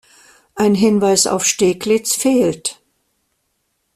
Ein Hinweis auf "Steglitz" fehlt.